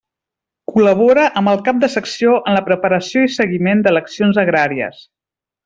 Col·labora amb el cap de secció en la preparació i seguiment d'eleccions agràries.